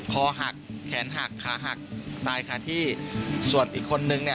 คอหักแขนหักขาหักตายขาที่ส่วนอีกคนนึงเนี่ย